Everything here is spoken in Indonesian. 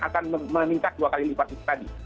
akan meningkat dua kali lipat itu tadi